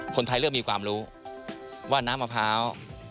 คนไทยเริ่มมีความรู้ว่าน้ำมะพร้าว